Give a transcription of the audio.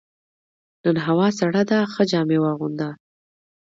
نن هوا سړه ده، ښه جامې واغونده.